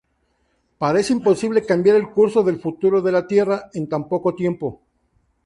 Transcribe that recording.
Parece imposible cambiar el curso del futuro de la Tierra en tan poco tiempo.